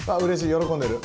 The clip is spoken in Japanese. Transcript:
喜んでる。